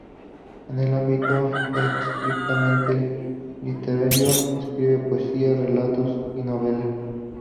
En el ámbito estrictamente literario, escribe poesía, relatos y novela.